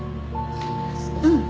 うん。